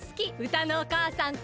歌のお母さんと。